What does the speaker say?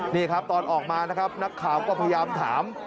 นี่ครับตอนออกมานะครับนักข่าวก็พยายามถาม